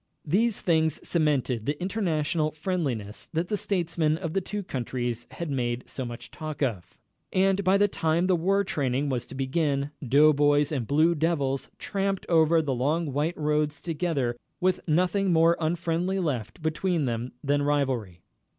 These things cemented the international friendliness that the statesmen of the two countries had made so much talk of. And by the time the war training was to begin, doughboys and Blue Devils tramped over the long white roads together with nothing more unfriendly left between them than rivalry.